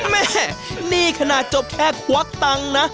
แม่นี่ขนาดจบแค่ควักตังค์นะ